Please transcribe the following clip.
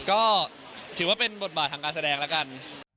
ก็ถือว่าเป็นบทบาททางการแสดงแล้วกัน